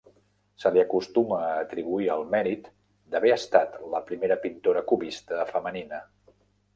Se li acostuma a atribuir el mèrit d'haver estat la primera pintora cubista femenina.